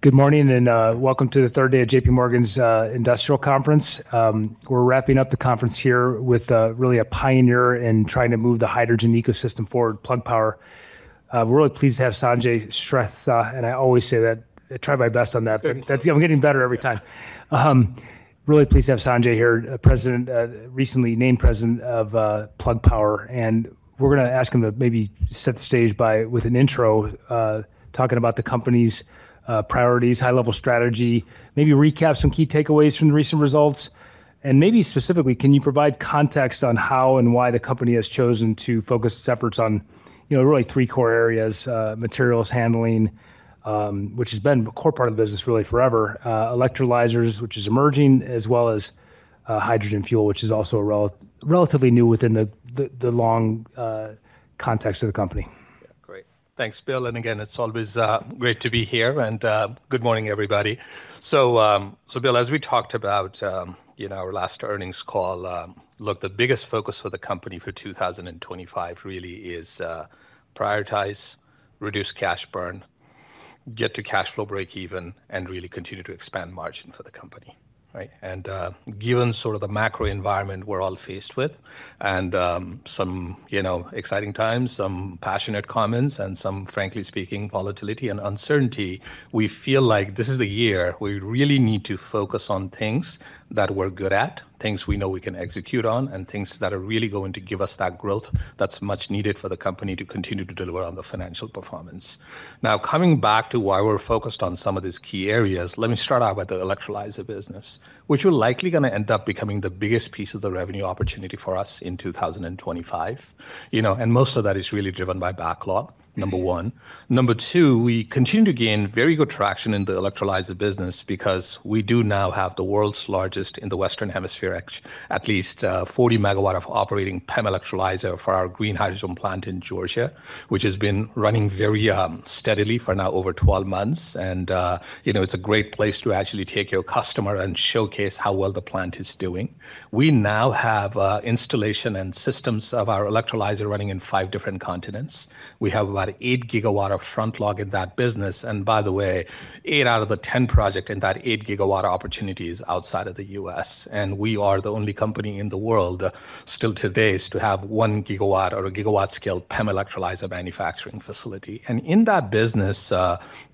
Good morning and welcome to the third day of JPMorgan's Industrial Conference. We're wrapping up the conference here with really a pioneer in trying to move the hydrogen ecosystem forward, Plug Power. We're really pleased to have Sanjay Shrestha, and I always say that I try my best on that, but I'm getting better every time. Really pleased to have Sanjay here, recently named President of Plug Power. We're going to ask him to maybe set the stage with an intro, talking about the company's priorities, high-level strategy, maybe recap some key takeaways from the recent results. Maybe specifically, can you provide context on how and why the company has chosen to focus its efforts on really three core areas: materials handling, which has been a core part of the business really forever; electrolyzers, which is emerging; as well as hydrogen fuel, which is also relatively new within the long context of the company. Great. Thanks, Bill. It's always great to be here. Good morning, everybody. Bill, as we talked about in our last earnings call, the biggest focus for the company for 2025 really is prioritize, reduce cash burn, get to cash flow break even, and really continue to expand margin for the company. Given sort of the macro environment we're all faced with, and some exciting times, some passionate comments, and some, frankly speaking, volatility and uncertainty, we feel like this is the year we really need to focus on things that we're good at, things we know we can execute on, and things that are really going to give us that growth that's much needed for the company to continue to deliver on the financial performance. Now, coming back to why we're focused on some of these key areas, let me start out with the electrolyzer business, which we're likely going to end up becoming the biggest piece of the revenue opportunity for us in 2025. Most of that is really driven by backlog, number one. Number two, we continue to gain very good traction in the electrolyzer business because we do now have the world's largest in the Western Hemisphere, at least 40 MW of operating PEM electrolyzer for our green hydrogen plant in Georgia, which has been running very steadily for now over 12 months. It's a great place to actually take your customer and showcase how well the plant is doing. We now have installation and systems of our electrolyzer running in five different continents. We have about 8 GW of front log in that business. By the way, 8 out of the 10 projects in that 8 GW opportunity is outside of the U.S.. We are the only company in the world still today to have 1 GW or a GW scale PEM electrolyzer manufacturing facility. In that business,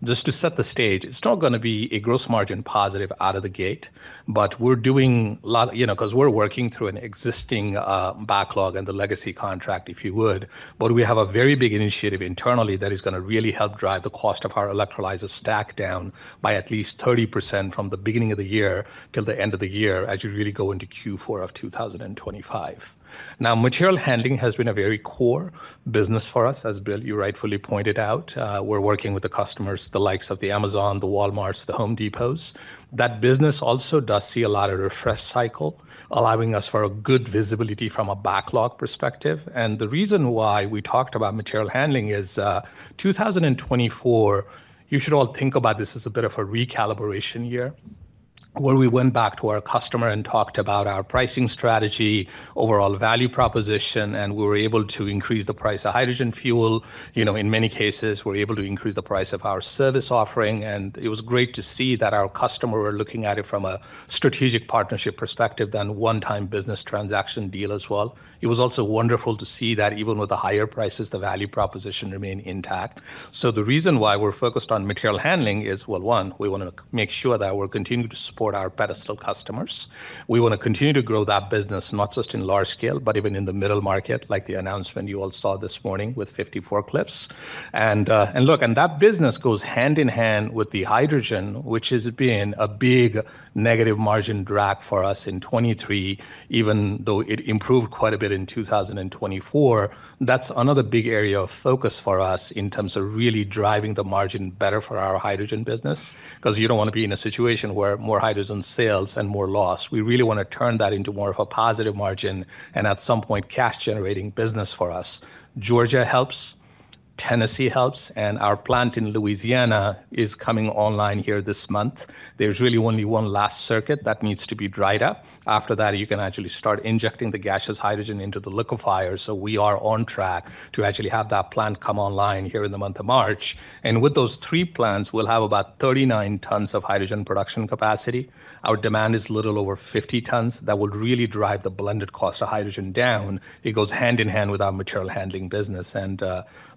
just to set the stage, it's not going to be a gross margin positive out of the gate, but we're doing a lot because we're working through an existing backlog and the legacy contract, if you would. We have a very big initiative internally that is going to really help drive the cost of our electrolyzer stack down by at least 30% from the beginning of the year till the end of the year as you really go into Q4 of 2025. Now, material handling has been a very core business for us, as Bill, you rightfully pointed out. We're working with the customers, the likes of Amazon, Walmart, Home Depot. That business also does see a lot of refresh cycle, allowing us for a good visibility from a backlog perspective. The reason why we talked about material handling is 2024, you should all think about this as a bit of a recalibration year where we went back to our customer and talked about our pricing strategy, overall value proposition, and we were able to increase the price of hydrogen fuel. In many cases, we were able to increase the price of our service offering. It was great to see that our customer were looking at it from a strategic partnership perspective than one-time business transaction deal as well. It was also wonderful to see that even with the higher prices, the value proposition remained intact. The reason why we're focused on material handling is, one, we want to make sure that we're continuing to support our pedestal customers. We want to continue to grow that business, not just in large scale, but even in the middle market, like the announcement you all saw this morning with Cleveland-Cliffs. That business goes hand in hand with the hydrogen, which has been a big negative margin drag for us in 2023, even though it improved quite a bit in 2024. That's another big area of focus for us in terms of really driving the margin better for our hydrogen business because you don't want to be in a situation where more hydrogen sales and more loss. We really want to turn that into more of a positive margin and at some point cash-generating business for us. Georgia helps, Tennessee helps, and our plant in Louisiana is coming online here this month. There is really only one last circuit that needs to be dried up. After that, you can actually start injecting the gaseous hydrogen into the liquefier. We are on track to actually have that plant come online here in the month of March. With those three plants, we will have about 39 tons of hydrogen production capacity. Our demand is a little over 50 tons that will really drive the blended cost of hydrogen down. It goes hand in hand with our material handling business.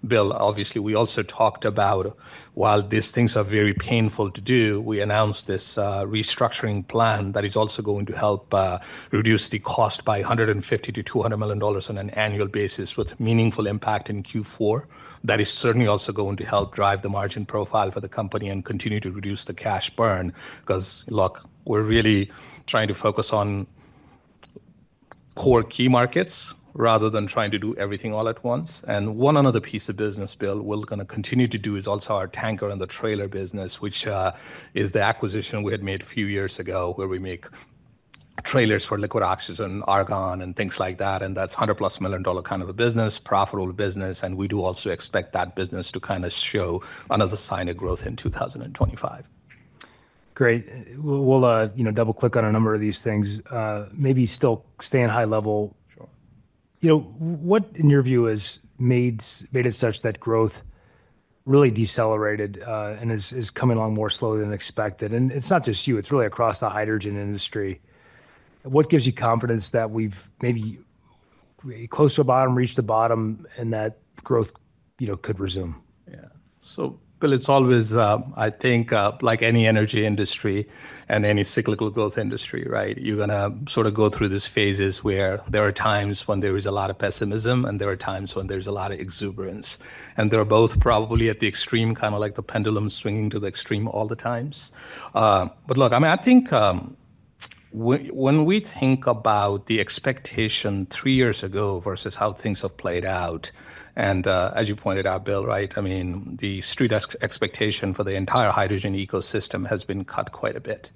Bill, obviously, we also talked about while these things are very painful to do, we announced this restructuring plan that is also going to help reduce the cost by $150 million-$200 million on an annual basis with meaningful impact in Q4. That is certainly also going to help drive the margin profile for the company and continue to reduce the cash burn because, look, we're really trying to focus on core key markets rather than trying to do everything all at once. One other piece of business, Bill, we're going to continue to do is also our tanker and the trailer business, which is the acquisition we had made a few years ago where we make trailers for liquid oxygen, argon, and things like that. That is a $100 million+ kind of a business, profitable business. We do also expect that business to kind of show another sign of growth in 2025. Great. We'll double-click on a number of these things, maybe still staying high level. What, in your view, has made it such that growth really decelerated and is coming along more slowly than expected? It is not just you. It is really across the hydrogen industry. What gives you confidence that we have maybe close to a bottom, reached the bottom, and that growth could resume? Yeah. Bill, it's always, I think, like any energy industry and any cyclical growth industry, right, you're going to sort of go through these phases where there are times when there is a lot of pessimism and there are times when there's a lot of exuberance. They're both probably at the extreme, kind of like the pendulum swinging to the extreme all the times. Look, I mean, I think when we think about the expectation three years ago versus how things have played out, and as you pointed out, Bill, right, I mean, the street expectation for the entire hydrogen ecosystem has been cut quite a bit.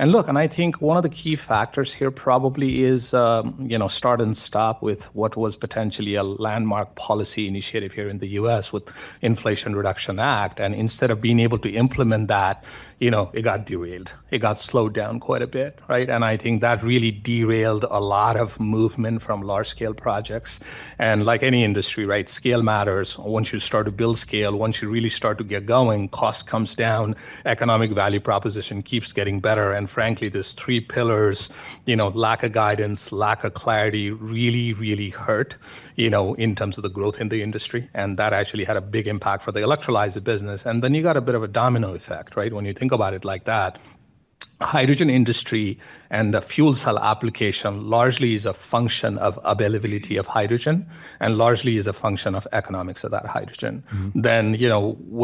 Look, I think one of the key factors here probably is start and stop with what was potentially a landmark policy initiative here in the U.S. with the Inflation Reduction Act. Instead of being able to implement that, it got derailed. It got slowed down quite a bit, right? I think that really derailed a lot of movement from large-scale projects. Like any industry, right, scale matters. Once you start to build scale, once you really start to get going, cost comes down, economic value proposition keeps getting better. Frankly, these three pillars, lack of guidance, lack of clarity, really, really hurt in terms of the growth in the industry. That actually had a big impact for the electrolyzer business. Then you got a bit of a domino effect, right? When you think about it like that, the hydrogen industry and the fuel cell application largely is a function of availability of hydrogen and largely is a function of economics of that hydrogen.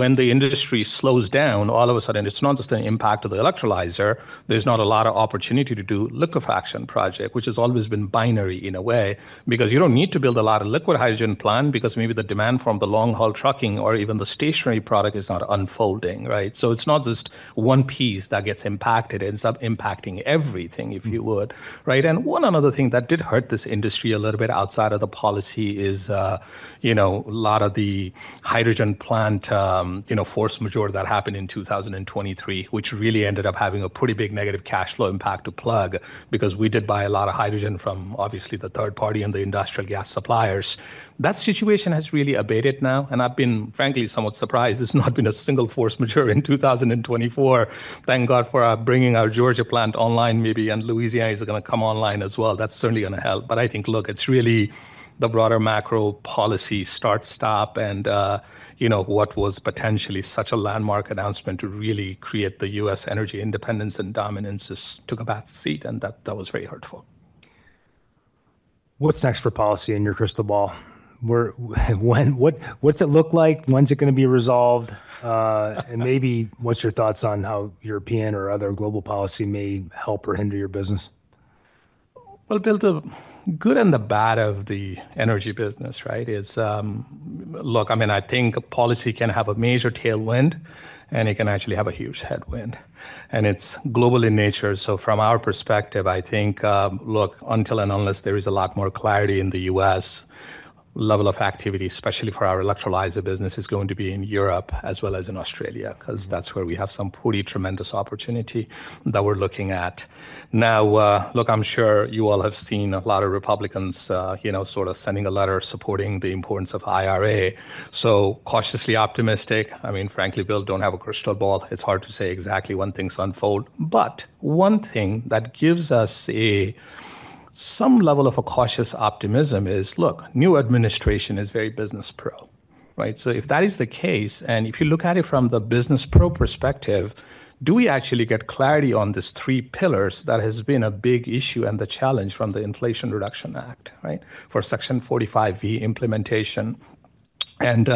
When the industry slows down, all of a sudden, it's not just an impact of the electrolyzer. There's not a lot of opportunity to do liquefaction project, which has always been binary in a way because you don't need to build a lot of liquid hydrogen plant because maybe the demand from the long-haul trucking or even the stationary product is not unfolding, right? It's not just one piece that gets impacted. It ends up impacting everything, if you would, right? One other thing that did hurt this industry a little bit outside of the policy is a lot of the hydrogen plant force majeure that happened in 2023, which really ended up having a pretty big negative cash flow impact to Plug Power because we did buy a lot of hydrogen from obviously the third party and the industrial gas suppliers. That situation has really abated now. I have been, frankly, somewhat surprised. There has not been a single force majeure in 2024. Thank God for bringing our Georgia plant online, maybe, and Louisiana is going to come online as well. That is certainly going to help. I think it is really the broader macro policy, start-stop, and what was potentially such a landmark announcement to really create the U.S. energy independence and dominance just took a backseat. That was very hurtful. What's next for policy in your crystal ball? What's it look like? When's it going to be resolved? Maybe what's your thoughts on how European or other global policy may help or hinder your business? Bill, the good and the bad of the energy business, right? Look, I mean, I think policy can have a major tailwind, and it can actually have a huge headwind. It is global in nature. From our perspective, I think, look, until and unless there is a lot more clarity in the U.S., level of activity, especially for our electrolyzer business, is going to be in Europe as well as in Australia because that is where we have some pretty tremendous opportunity that we are looking at. I am sure you all have seen a lot of Republicans sort of sending a letter supporting the importance of IRA. Cautiously optimistic. I mean, frankly, Bill, do not have a crystal ball. It is hard to say exactly when things unfold. One thing that gives us some level of a cautious optimism is, look, new administration is very business pro, right? If that is the case, and if you look at it from the business pro perspective, do we actually get clarity on these three pillars that have been a big issue and the challenge from the Inflation Reduction Act, right, for Section 45V implementation? And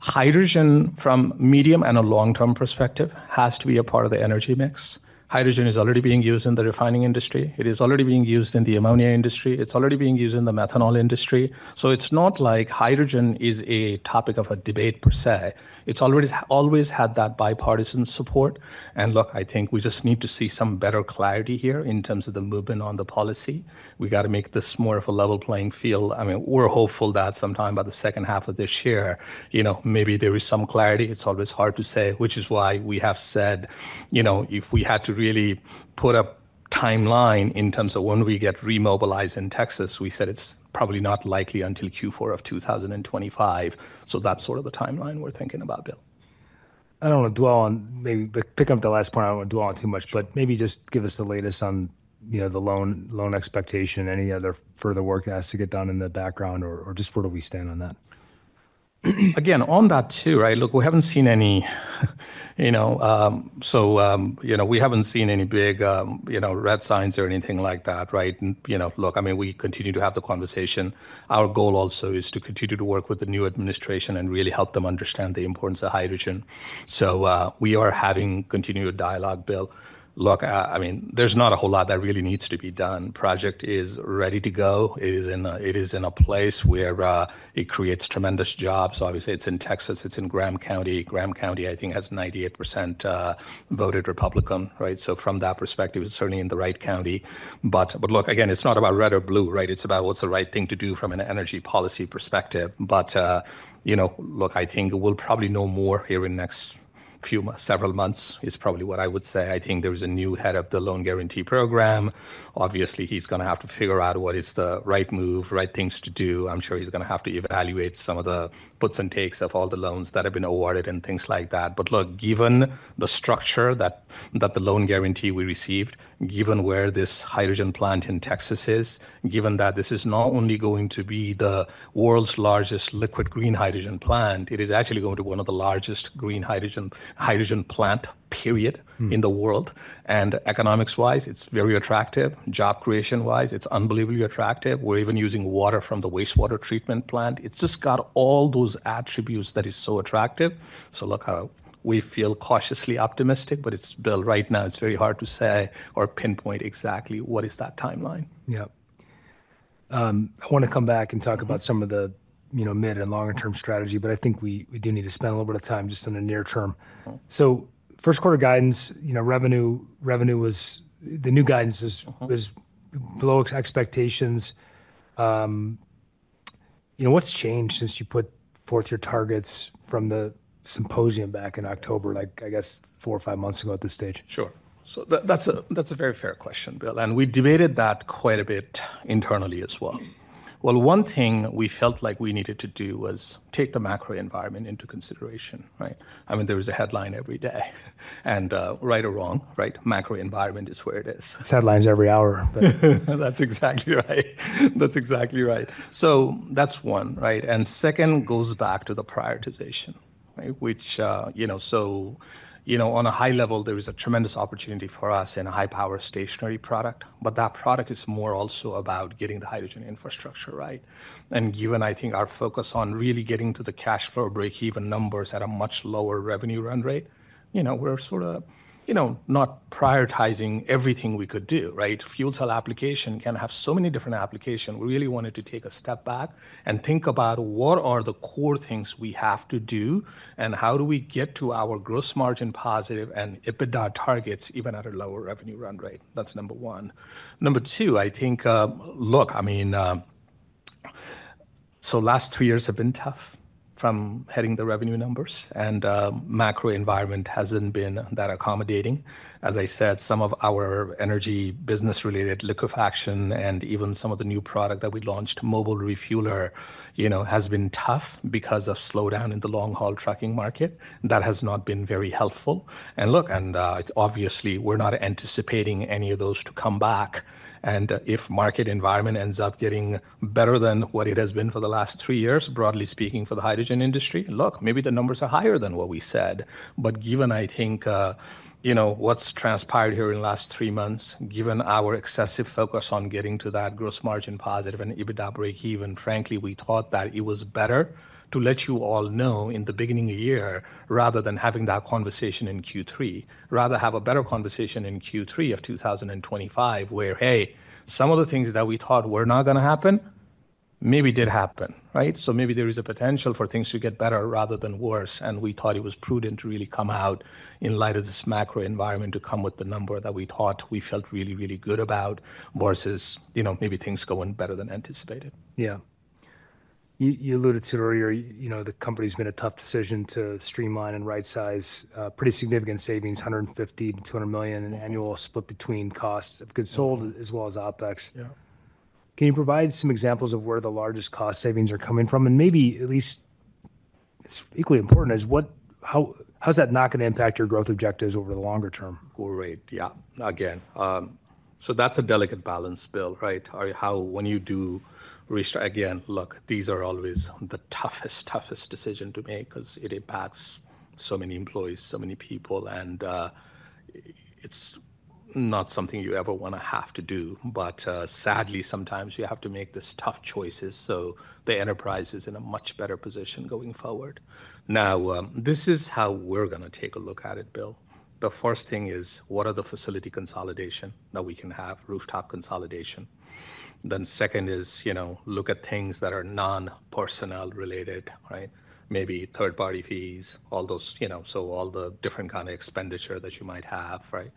hydrogen from a medium and a long-term perspective has to be a part of the energy mix. Hydrogen is already being used in the refining industry. It is already being used in the ammonia industry. It's already being used in the methanol industry. It's not like hydrogen is a topic of a debate per se. It's always had that bipartisan support. I think we just need to see some better clarity here in terms of the movement on the policy. We got to make this more of a level playing field. I mean, we're hopeful that sometime by the second half of this year, maybe there is some clarity. It's always hard to say, which is why we have said if we had to really put a timeline in terms of when we get remobilized in Texas, we said it's probably not likely until Q4 of 2025. That is sort of the timeline we're thinking about, Bill. I do not want to dwell on maybe pick up the last point. I do not want to dwell on too much, but maybe just give us the latest on the loan expectation, any other further work that has to get done in the background, or just where do we stand on that? Again, on that too, right? Look, we have not seen any, so we have not seen any big red signs or anything like that, right? Look, I mean, we continue to have the conversation. Our goal also is to continue to work with the new administration and really help them understand the importance of hydrogen. We are having continued dialogue, Bill. Look, I mean, there is not a whole lot that really needs to be done. The project is ready to go. It is in a place where it creates tremendous jobs. Obviously, it is in Texas. It is in Graham County. Graham County, I think, has 98% voted Republican, right? From that perspective, it is certainly in the right county. Look, again, it is not about red or blue, right? It is about what is the right thing to do from an energy policy perspective. Look, I think we'll probably know more here in the next few several months is probably what I would say. I think there is a new head of the loan guarantee program. Obviously, he's going to have to figure out what is the right move, right things to do. I'm sure he's going to have to evaluate some of the puts and takes of all the loans that have been awarded and things like that. Look, given the structure that the loan guarantee we received, given where this hydrogen plant in Texas is, given that this is not only going to be the world's largest liquid green hydrogen plant, it is actually going to be one of the largest green hydrogen plants, period, in the world. Economics-wise, it's very attractive. Job creation-wise, it's unbelievably attractive. We're even using water from the wastewater treatment plant. It just has all those attributes that are so attractive. Look, we feel cautiously optimistic, but Bill, right now, it is very hard to say or pinpoint exactly what is that timeline. Yeah. I want to come back and talk about some of the mid and longer-term strategy, but I think we do need to spend a little bit of time just on the near-term. First quarter guidance, revenue was the new guidance is below expectations. What's changed since you put forth your targets from the symposium back in October, I guess, four or five months ago at this stage? Sure. That is a very fair question, Bill. We debated that quite a bit internally as well. One thing we felt like we needed to do was take the macro environment into consideration, right? I mean, there was a headline every day. Right or wrong, right? Macro environment is where it is. It's headlines every hour. That's exactly right. That's exactly right. That's one, right? Second goes back to the prioritization, which on a high level, there is a tremendous opportunity for us in a high-power stationary product. That product is also more about getting the hydrogen infrastructure right. Given our focus on really getting to the cash flow break-even numbers at a much lower revenue run rate, we're sort of not prioritizing everything we could do, right? Fuel cell application can have so many different applications. We really wanted to take a step back and think about what are the core things we have to do and how do we get to our gross margin positive and EBITDA targets even at a lower revenue run rate. That's number one. Number two, I think, look, I mean, the last three years have been tough from hitting the revenue numbers. The macro environment has not been that accommodating. As I said, some of our energy business-related liquefaction and even some of the new product that we launched, mobile refueler, has been tough because of slowdown in the long-haul trucking market. That has not been very helpful. Obviously, we're not anticipating any of those to come back. If market environment ends up getting better than what it has been for the last three years, broadly speaking, for the hydrogen industry, maybe the numbers are higher than what we said. Given, I think, what's transpired here in the last three months, given our excessive focus on getting to that gross margin positive and EBITDA break-even, frankly, we thought that it was better to let you all know in the beginning of the year rather than having that conversation in Q3, rather have a better conversation in Q3 of 2025 where, hey, some of the things that we thought were not going to happen, maybe did happen, right? Maybe there is a potential for things to get better rather than worse. We thought it was prudent to really come out in light of this macro environment to come with the number that we thought we felt really, really good about versus maybe things going better than anticipated. Yeah. You alluded to it earlier. The company's made a tough decision to streamline and right-size pretty significant savings, $150 million-$200 million in annual split between costs of goods sold as well as OpEx. Can you provide some examples of where the largest cost savings are coming from? Maybe at least it's equally important as how is that not going to impact your growth objectives over the longer-term? Great. Yeah. Again, so that's a delicate balance, Bill, right? When you do restart, again, look, these are always the toughest, toughest decision to make because it impacts so many employees, so many people. It's not something you ever want to have to do. Sadly, sometimes you have to make these tough choices so the enterprise is in a much better position going forward. Now, this is how we're going to take a look at it, Bill. The first thing is, what are the facility consolidation that we can have, rooftop consolidation? Second is look at things that are non-personnel related, right? Maybe third-party fees, all those, so all the different kind of expenditure that you might have, right?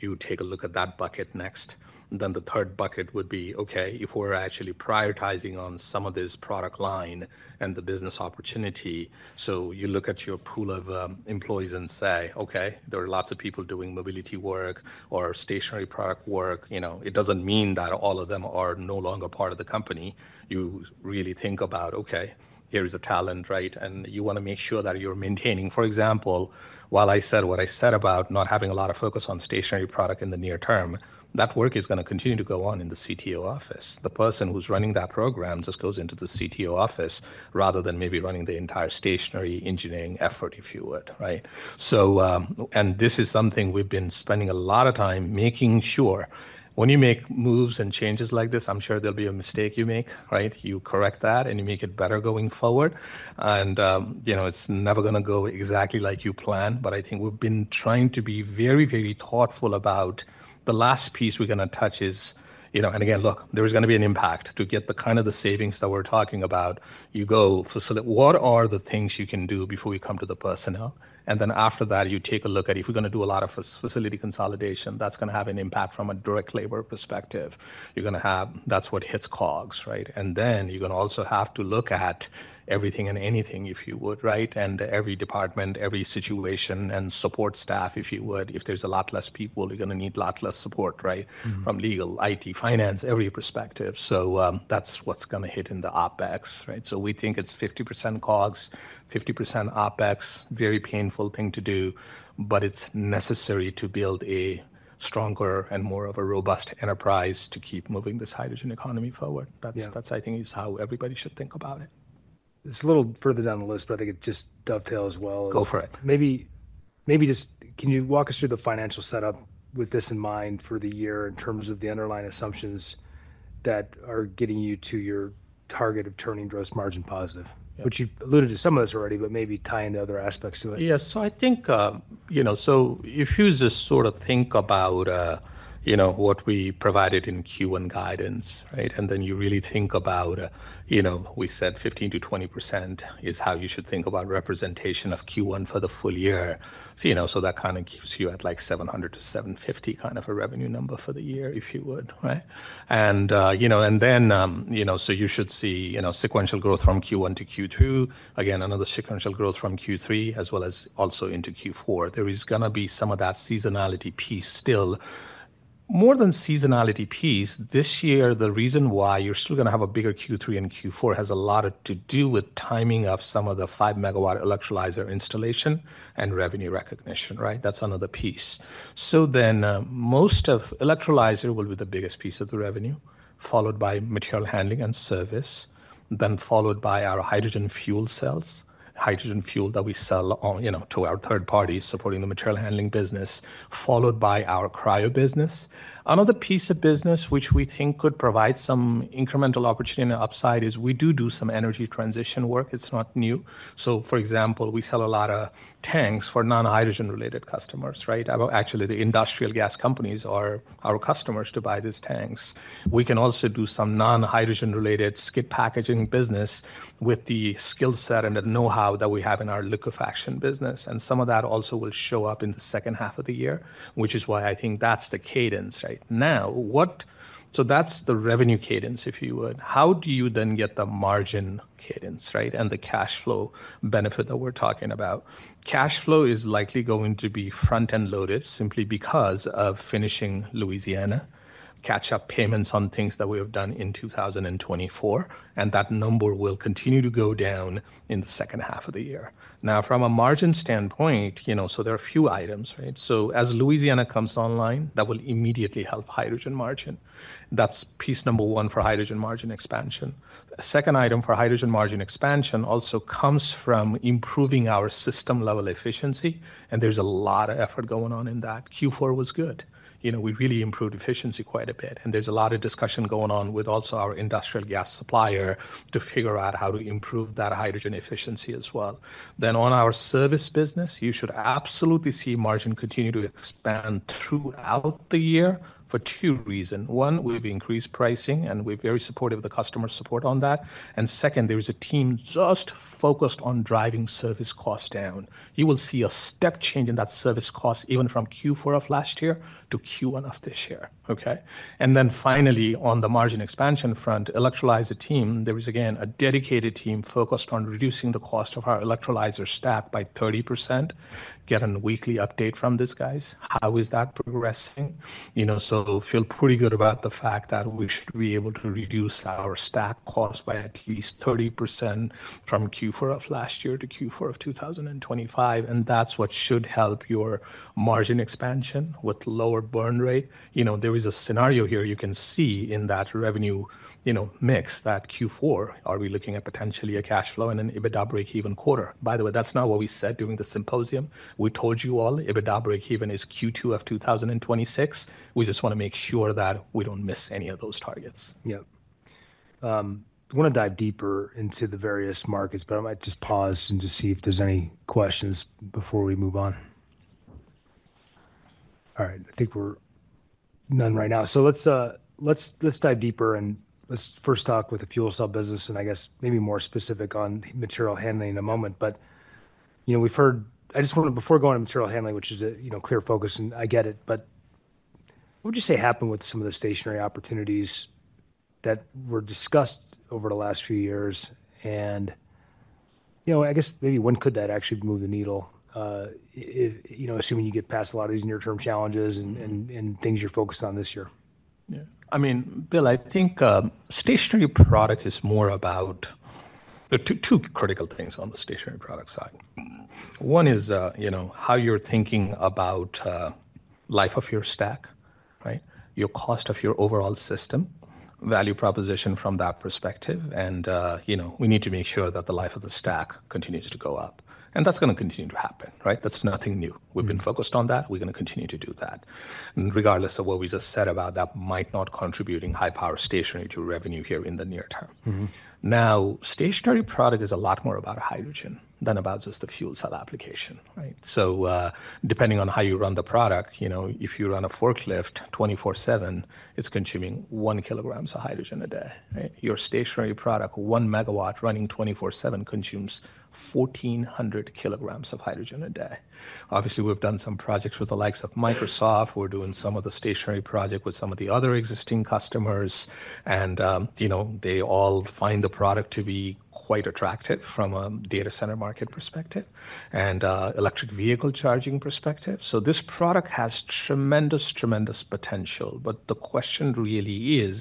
You take a look at that bucket next. The third bucket would be, okay, if we're actually prioritizing on some of this product line and the business opportunity, you look at your pool of employees and say, okay, there are lots of people doing mobility work or stationary product work. It doesn't mean that all of them are no longer part of the company. You really think about, okay, here is a talent, right? And you want to make sure that you're maintaining. For example, while I said what I said about not having a lot of focus on stationary product in the near-term, that work is going to continue to go on in the CTO office. The person who's running that program just goes into the CTO office rather than maybe running the entire stationary engineering effort, if you would, right? This is something we've been spending a lot of time making sure. When you make moves and changes like this, I'm sure there'll be a mistake you make, right? You correct that and you make it better going forward. It's never going to go exactly like you planned. I think we've been trying to be very, very thoughtful about the last piece we're going to touch. Again, look, there's going to be an impact to get the kind of the savings that we're talking about. You go facilitate. What are the things you can do before we come to the personnel? After that, you take a look at if we're going to do a lot of facility consolidation, that's going to have an impact from a direct labor perspective. You're going to have that's what hits COGS, right? You are going to also have to look at everything and anything, if you would, right? Every department, every situation, and support staff, if you would. If there's a lot less people, you're going to need a lot less support, right? From legal, IT, finance, every perspective. That's what's going to hit in the OpEx, right? We think it's 50% COGS, 50% OpEx, very painful thing to do, but it's necessary to build a stronger and more of a robust enterprise to keep moving this hydrogen economy forward. That, I think, is how everybody should think about it. It's a little further down the list, but I think it just dovetails well. Go for it. Maybe just can you walk us through the financial setup with this in mind for the year in terms of the underlying assumptions that are getting you to your target of turning gross margin positive, which you alluded to some of this already, but maybe tie into other aspects to it? Yeah. I think if you just sort of think about what we provided in Q1 guidance, right? If you really think about we said 15%-20% is how you should think about representation of Q1 for the full year. That kind of keeps you at like $700 million-$750 million kind of a revenue number for the year, if you would, right? You should see sequential growth from Q1 to Q2, again, another sequential growth from Q3, as well as also into Q4. There is going to be some of that seasonality piece still. More than seasonality piece, this year, the reason why you're still going to have a bigger Q3 and Q4 has a lot to do with timing of some of the 5 MW electrolyzer installation and revenue recognition, right? That's another piece. Most of electrolyzer will be the biggest piece of the revenue, followed by material handling and service, then followed by our hydrogen fuel cells, hydrogen fuel that we sell to our third parties supporting the material handling business, followed by our cryo business. Another piece of business which we think could provide some incremental opportunity and upside is we do do some energy transition work. It's not new. For example, we sell a lot of tanks for non-hydrogen-related customers, right? Actually, the industrial gas companies are our customers to buy these tanks. We can also do some non-hydrogen-related skid packaging business with the skill set and the know-how that we have in our liquefaction business. Some of that also will show up in the second half of the year, which is why I think that's the cadence, right? Now, so that's the revenue cadence, if you would. How do you then get the margin cadence, right? And the cash flow benefit that we're talking about. Cash flow is likely going to be front-end loaded simply because of finishing Louisiana, catch-up payments on things that we have done in 2024. That number will continue to go down in the second half of the year. Now, from a margin standpoint, there are a few items, right? As Louisiana comes online, that will immediately help hydrogen margin. That's piece number one for hydrogen margin expansion. A second item for hydrogen margin expansion also comes from improving our system-level efficiency. There's a lot of effort going on in that. Q4 was good. We really improved efficiency quite a bit. There is a lot of discussion going on with also our industrial gas supplier to figure out how to improve that hydrogen efficiency as well. On our service business, you should absolutely see margin continue to expand throughout the year for two reasons. One, we have increased pricing, and we are very supportive of the customer support on that. Second, there is a team just focused on driving service costs down. You will see a step change in that service cost even from Q4 of last year to Q1 of this year, okay? Finally, on the margin expansion front, electrolyzer team, there is again a dedicated team focused on reducing the cost of our electrolyzer stack by 30%. Get a weekly update from these guys. How is that progressing? I feel pretty good about the fact that we should be able to reduce our stack cost by at least 30% from Q4 of last year to Q4 of 2025. That is what should help your margin expansion with lower burn rate. There is a scenario here you can see in that revenue mix that Q4, are we looking at potentially a cash flow and an EBITDA break-even quarter? By the way, that is not what we said during the symposium. We told you all EBITDA break-even is Q2 of 2026. We just want to make sure that we do not miss any of those targets. Yeah. I want to dive deeper into the various markets, but I might just pause and just see if there's any questions before we move on. All right. I think we're done right now. Let's dive deeper and let's first talk with the fuel cell business and I guess maybe more specific on material handling in a moment. We've heard, I just want to, before going to material handling, which is a clear focus, and I get it, what would you say happened with some of the stationary opportunities that were discussed over the last few years? I guess maybe when could that actually move the needle, assuming you get past a lot of these near-term challenges and things you're focused on this year? Yeah. I mean, Bill, I think stationary product is more about there are two critical things on the stationary product side. One is how you're thinking about life of your stack, right? Your cost of your overall system, value proposition from that perspective. We need to make sure that the life of the stack continues to go up. That is going to continue to happen, right? That is nothing new. We have been focused on that. We are going to continue to do that. Regardless of what we just said about that might not contributing high-power stationary to revenue here in the near-term. Now, stationary product is a lot more about hydrogen than about just the fuel cell application, right? Depending on how you run the product, if you run a forklift 24/7, it is consuming 1 kg of hydrogen a day, right? Your stationary product, 1 MW running 24/7, consumes 1,400 kgs of hydrogen a day. Obviously, we've done some projects with the likes of Microsoft. We're doing some of the stationary project with some of the other existing customers. They all find the product to be quite attractive from a data center market perspective and electric vehicle charging perspective. This product has tremendous, tremendous potential. The question really is,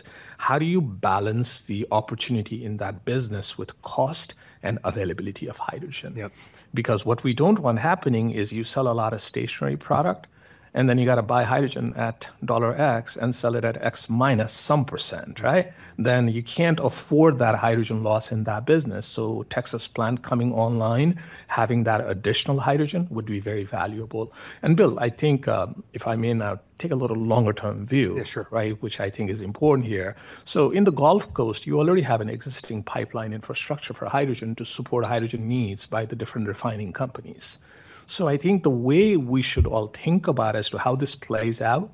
how do you balance the opportunity in that business with cost and availability of hydrogen? Because what we don't want happening is you sell a lot of stationary product, and then you got to buy hydrogen at dollar X and sell it at X minus some percent. You can't afford that hydrogen loss in that business. Texas plant coming online, having that additional hydrogen would be very valuable. Bill, I think if I may now take a little longer-term view, right, which I think is important here. In the Gulf Coast, you already have an existing pipeline infrastructure for hydrogen to support hydrogen needs by the different refining companies. I think the way we should all think about as to how this plays out,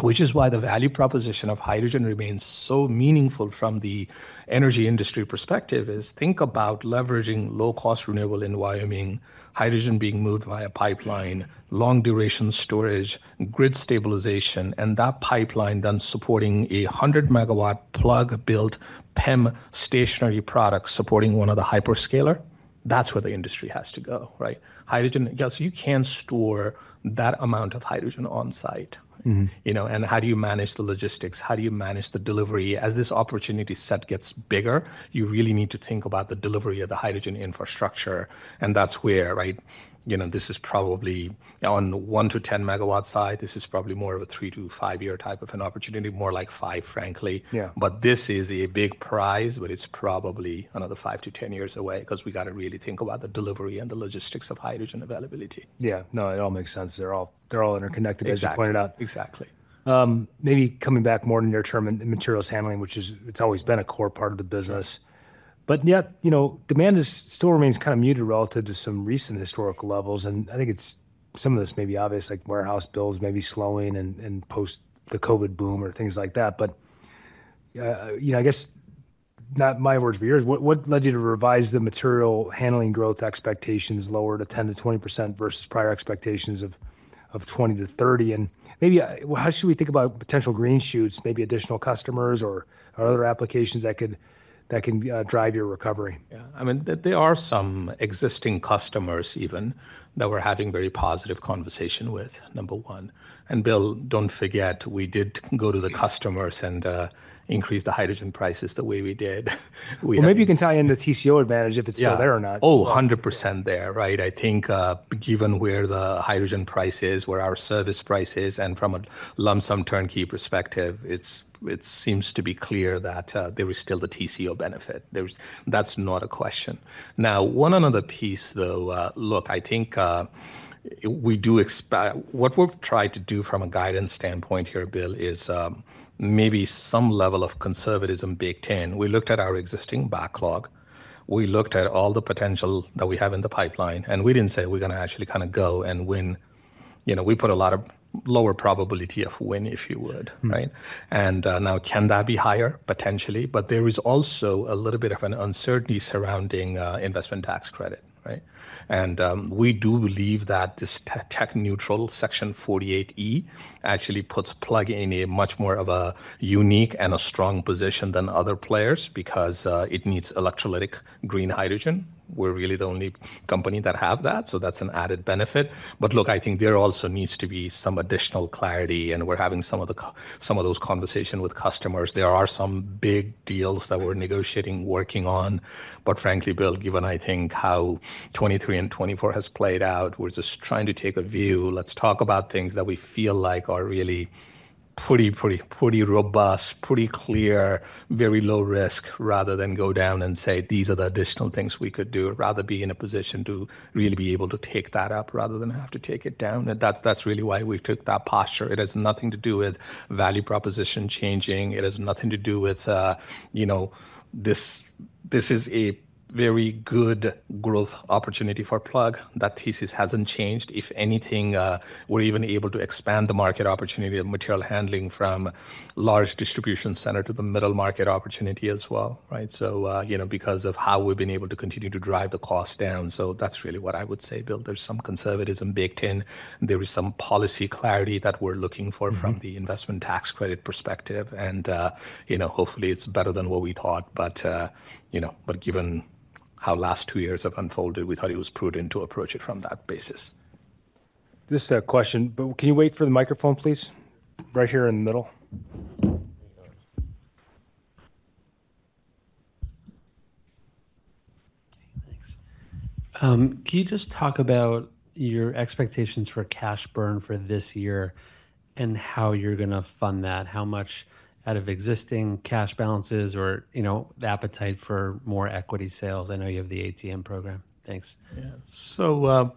which is why the value proposition of hydrogen remains so meaningful from the energy industry perspective, is think about leveraging low-cost renewable environment, hydrogen being moved via pipeline, long-duration storage, grid stabilization, and that pipeline then supporting a 100 MW plug-built PEM stationary product supporting one of the hyperscalers. That's where the industry has to go, right? Hydrogen, yes, you can store that amount of hydrogen on-site. How do you manage the logistics? How do you manage the delivery? As this opportunity set gets bigger, you really need to think about the delivery of the hydrogen infrastructure. That is where, right? This is probably on the 1-10 MW side. This is probably more of a 3-5 year type of an opportunity, more like five, frankly. This is a big prize, but it is probably another 5-10 years away because we got to really think about the delivery and the logistics of hydrogen availability. Yeah. No, it all makes sense. They're all interconnected, as you pointed out. Exactly. Maybe coming back more to near-term and materials handling, which it's always been a core part of the business. Demand still remains kind of muted relative to some recent historical levels. I think some of this may be obvious, like warehouse builds may be slowing and post the COVID boom or things like that. I guess not my words, but yours. What led you to revise the materials handling growth expectations lower to 10%-20% versus prior expectations of 20%-30%? Maybe how should we think about potential green shoots, maybe additional customers or other applications that can drive your recovery? Yeah. I mean, there are some existing customers even that we're having very positive conversation with, number one. Bill, don't forget, we did go to the customers and increase the hydrogen prices the way we did. Maybe you can tie in the TCO advantage if it's still there or not. Oh, 100% there, right? I think given where the hydrogen price is, where our service price is, and from a lump sum turnkey perspective, it seems to be clear that there is still the TCO benefit. That's not a question. Now, one another piece, though, look, I think we do expect what we've tried to do from a guidance standpoint here, Bill, is maybe some level of conservatism baked in. We looked at our existing backlog. We looked at all the potential that we have in the pipeline. We didn't say we're going to actually kind of go and win. We put a lot of lower probability of win, if you would, right? Now can that be higher? Potentially. There is also a little bit of an uncertainty surrounding investment tax credit, right? We do believe that this tech-neutral Section 48E actually puts Plug in a much more unique and strong position than other players because it needs electrolytic green hydrogen. We're really the only company that have that. That's an added benefit. I think there also needs to be some additional clarity. We're having some of those conversations with customers. There are some big deals that we're negotiating, working on. Frankly, Bill, given how 2023 and 2024 have played out, we're just trying to take a view. Let's talk about things that we feel like are really pretty, pretty, pretty robust, pretty clear, very low risk, rather than go down and say, "These are the additional things we could do," rather be in a position to really be able to take that up rather than have to take it down. That is really why we took that posture. It has nothing to do with value proposition changing. It has nothing to do with this is a very good growth opportunity for Plug. That thesis has not changed. If anything, we are even able to expand the market opportunity of material handling from large distribution center to the middle market opportunity as well, right? Because of how we have been able to continue to drive the cost down. That is really what I would say, Bill. There is some conservatism baked in. There is some policy clarity that we are looking for from the investment tax credit perspective. Hopefully, it is better than what we thought. Given how the last two years have unfolded, we thought it was prudent to approach it from that basis. This is a question, but can you wait for the microphone, please, right here in the middle? Thanks. Can you just talk about your expectations for cash burn for this year and how you're going to fund that? How much out of existing cash balances or appetite for more equity sales? I know you have the ATM program. Thanks. Yeah.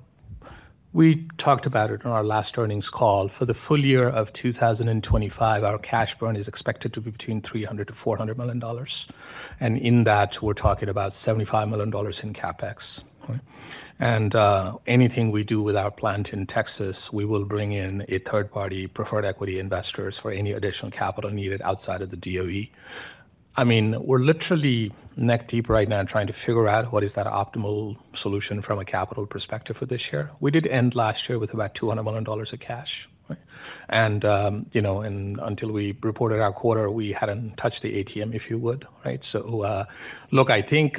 We talked about it on our last earnings call. For the full year of 2025, our cash burn is expected to be between $300 million-$400 million. In that, we're talking about $75 million in CapEx. Anything we do with our plant in Texas, we will bring in third-party preferred equity investors for any additional capital needed outside of the DOE. I mean, we're literally neck deep right now trying to figure out what is that optimal solution from a capital perspective for this year. We did end last year with about $200 million of cash. Until we reported our quarter, we hadn't touched the ATM, if you would, right? Look, I think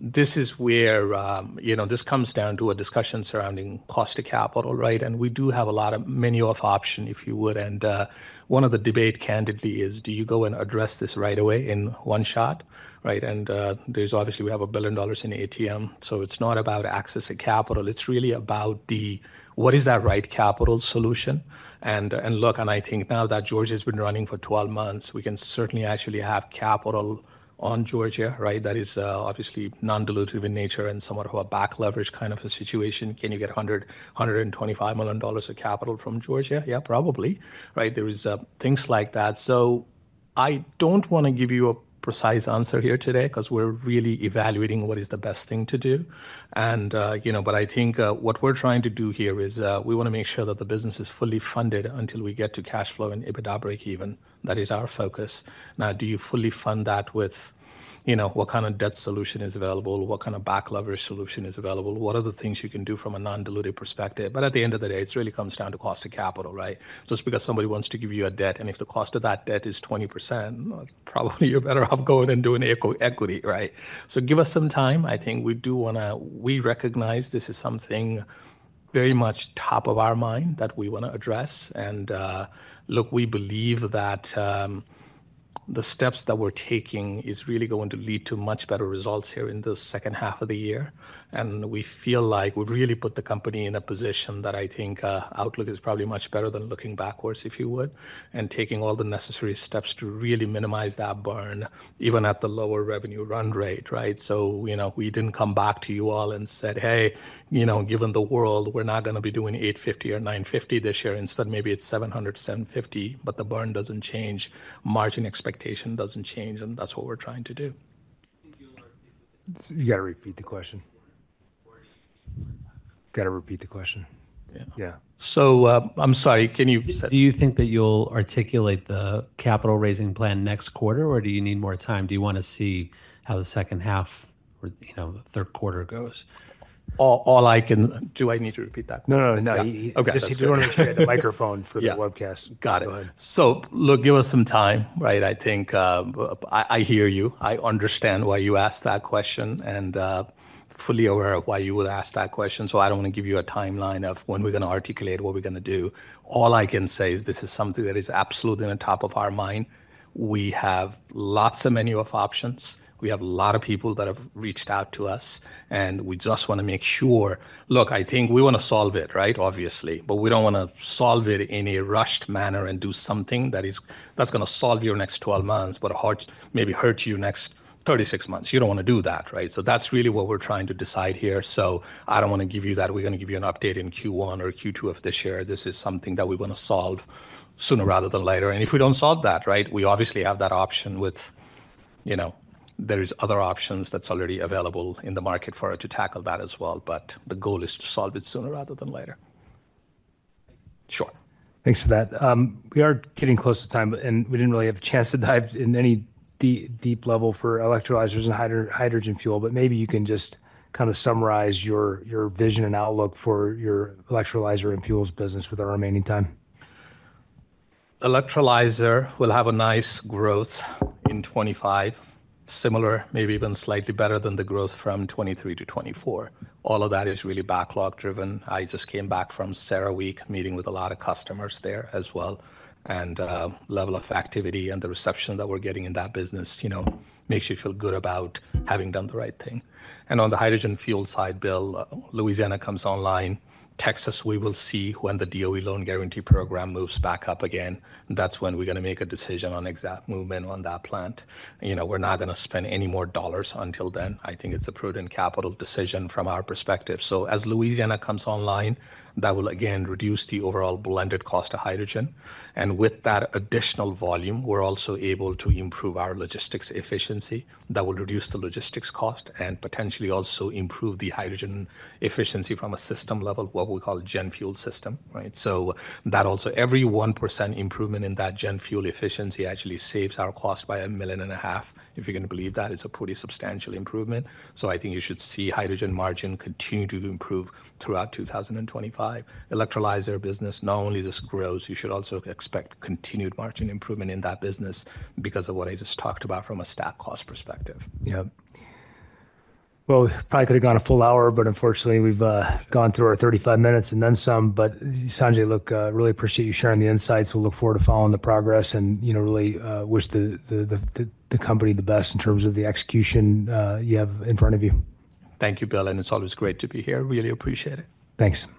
this is where this comes down to a discussion surrounding cost of capital, right? We do have a lot of many of option, if you would. One of the debate, candidly, is do you go and address this right away in one shot, right? There is obviously we have a billion dollars in ATM. It is not about accessing capital. It is really about the what is that right capital solution. Look, I think now that Georgia has been running for 12 months, we can certainly actually have capital on Georgia, right? That is obviously non-dilutive in nature and somewhat of a back leverage kind of a situation. Can you get $125 million of capital from Georgia? Yeah, probably, right? There are things like that. I do not want to give you a precise answer here today because we are really evaluating what is the best thing to do. I think what we're trying to do here is we want to make sure that the business is fully funded until we get to cash flow and EBITDA break-even. That is our focus. Now, do you fully fund that with what kind of debt solution is available? What kind of back leverage solution is available? What are the things you can do from a non-dilutive perspective? At the end of the day, it really comes down to cost of capital, right? Just because somebody wants to give you a debt and if the cost of that debt is 20%, probably you're better off going and doing equity, right? Give us some time. I think we do want to recognize this is something very much top of our mind that we want to address. Look, we believe that the steps that we're taking is really going to lead to much better results here in the second half of the year. We feel like we've really put the company in a position that I think outlook is probably much better than looking backwards, if you would, and taking all the necessary steps to really minimize that burn, even at the lower revenue run rate, right? We didn't come back to you all and said, "Hey, given the world, we're not going to be doing $850 million or $950 million this year." Instead, maybe it's $700 million-$750 million, but the burn doesn't change. Margin expectation doesn't change. That's what we're trying to do. You got to repeat the question. Got to repeat the question. Yeah. I'm sorry. Can you? Do you think that you'll articulate the capital raising plan next quarter, or do you need more time? Do you want to see how the second half or third quarter goes? All I can—do I need to repeat that? No, no, no. Okay. Just want to make sure I had the microphone for the webcast. Got it. Look, give us some time, right? I think I hear you. I understand why you asked that question and fully aware of why you would ask that question. I do not want to give you a timeline of when we are going to articulate what we are going to do. All I can say is this is something that is absolutely on top of our mind. We have lots of menu of options. We have a lot of people that have reached out to us. We just want to make sure, look, I think we want to solve it, right, obviously. We do not want to solve it in a rushed manner and do something that is going to solve your next 12 months, but maybe hurt you next 36 months. You do not want to do that, right? That is really what we are trying to decide here. I do not want to give you that. We are going to give you an update in Q1 or Q2 of this year. This is something that we want to solve sooner rather than later. If we do not solve that, right, we obviously have that option with there are other options that are already available in the market for us to tackle that as well. The goal is to solve it sooner rather than later. Sure. Thanks for that. We are getting close to time, and we did not really have a chance to dive in any deep level for electrolyzers and hydrogen fuel. Maybe you can just kind of summarize your vision and outlook for your electrolyzer and fuels business with our remaining time. Electrolyzer will have a nice growth in 2025, similar, maybe even slightly better than the growth from 2023 to 2024. All of that is really backlog driven. I just came back from CERAWeek meeting with a lot of customers there as well. The level of activity and the reception that we're getting in that business makes you feel good about having done the right thing. On the hydrogen fuel side, Bill, Louisiana comes online. Texas, we will see when the DOE loan guarantee program moves back up again. That is when we're going to make a decision on exact movement on that plant. We're not going to spend any more dollars until then. I think it's a prudent capital decision from our perspective. As Louisiana comes online, that will again reduce the overall blended cost of hydrogen. With that additional volume, we're also able to improve our logistics efficiency. That will reduce the logistics cost and potentially also improve the hydrogen efficiency from a system level, what we call GenFuel system, right? Every 1% improvement in that GenFuel efficiency actually saves our cost by $1.5 million. If you can believe that, it's a pretty substantial improvement. I think you should see hydrogen margin continue to improve throughout 2025. Electrolyzer business not only just grows, you should also expect continued margin improvement in that business because of what I just talked about from a stack cost perspective. Yeah. We probably could have gone a full hour, but unfortunately, we've gone through our 35 minutes and then some. Sanjay, look, really appreciate you sharing the insights. We'll look forward to following the progress and really wish the company the best in terms of the execution you have in front of you. Thank you, Bill. It is always great to be here. Really appreciate it. Thanks.